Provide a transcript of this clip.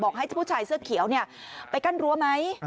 ให้ผู้ชายเสื้อเขียวไปกั้นรั้วไหม